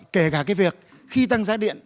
kể cả việc khi tăng giá điện